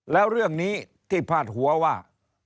แล้วเรื่องนี้ที่พาดหัวว่า